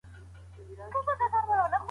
حسن بصري رحمه الله فرمايي.